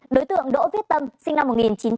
đối tượng đỗ viết tâm sinh năm một nghìn